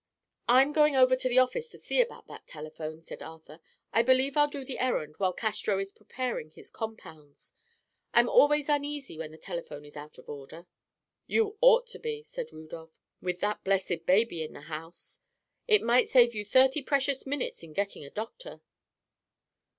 "I'm going over to the office to see about that telephone," said Arthur. "I believe I'll do the errand while Castro is preparing his compounds. I'm always uneasy when the telephone is out of order." "You ought to be," said Rudolph, "with that blessed baby in the house. It might save you thirty precious minutes in getting a doctor."